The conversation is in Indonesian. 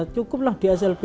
cukuplah di slp